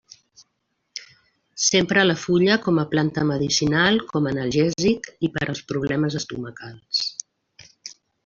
S'empra la fulla com a planta medicinal com analgèsic i per als problemes estomacals.